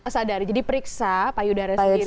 sadari jadi periksa payudara sendiri